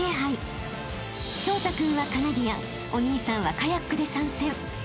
［彰太君はカナディアンお兄さんはカヤックで参戦］